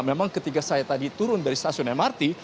memang ketika saya tadi turun dari stasiun mrt